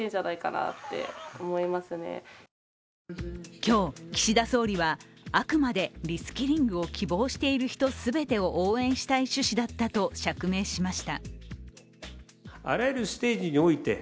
今日、岸田総理はあくまでリスキリングを希望している人全てを応援したい趣旨だったと釈明しました。